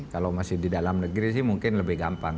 kalau masih di dalam negeri sih mungkin lebih gampang